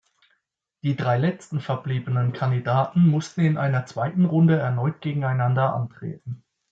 Die drei letzten verbliebenen Kandidaten mussten in einer zweiten Runde erneut gegeneinander antreten.